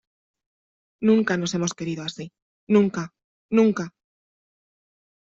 ¡ nunca nos hemos querido así! ¡ nunca !¡ nunca !...